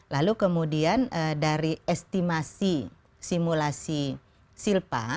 lalu kemudian dari estimasi simulasi silpa